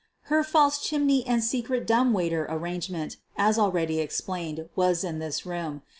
Her false chimney and secret dumb waiter arrangement, as already explained, was in this room.